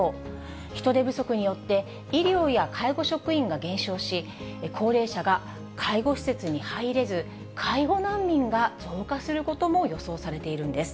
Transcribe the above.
人手不足によって、医療や介護職員が減少し、高齢者が介護施設に入れず、介護難民が増加することも予想されているんです。